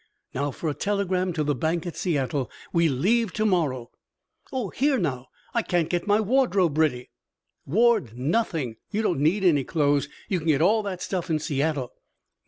Now for a telegram to the bank at Seattle. We leave to morrow." "Oh, here, now! I can't get my wardrobe ready." "Ward nothing! You don't need any clothes! You can get all that stuff in Seattle."